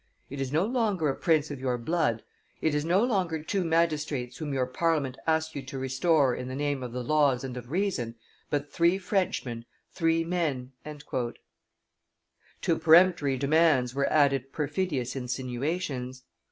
It is no longer a prince of your blood, it is no longer two magistrates whom your Parliament ask you to restore in the name of the laws and of reason, but three Frenchmen, three men." To peremptory demands were added perfidious insinuations.